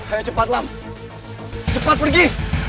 ayo cepat alam cepat pergi